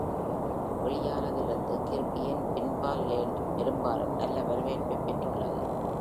வெளியானதிலிருந்து, "கிர்பியின் pinball land" பெரும்பாலும் நல்ல வரவேற்பைப் பெற்றுள்ளது.